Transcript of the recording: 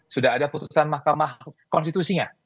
sudah ada putusan mahkamah konstitusinya